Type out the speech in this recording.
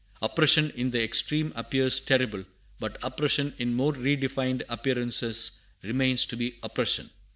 "Oppression in the extreme appears terrible; but oppression in more refined appearances remains to be oppression.